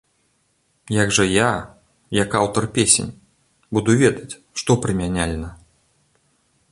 Як жа я, як аўтар песень, буду ведаць, што прымяняльна?